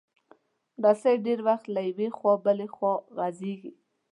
رسۍ ډېر وخت له یوې خوا بله خوا غځېږي.